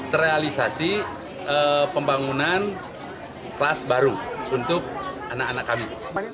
terrealisasi pembangunan kelas baru untuk anak anak kami